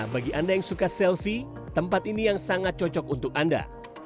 bagi anda yang suka selfie tempat ini yang sangat cocok untuk anda